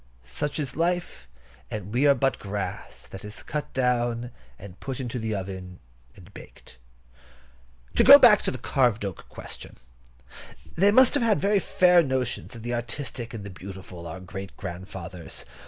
Such is life; and we are but as grass that is cut down, and put into the oven and baked. To go back to the carved oak question, they must have had very fair notions of the artistic and the beautiful, our great great grandfathers.